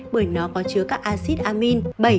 bởi nó có chứa các acid amine bảy một mươi